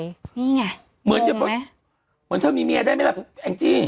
นี่ไงงงไหมเหมือนเธอมีเมียได้ไหมแองจี้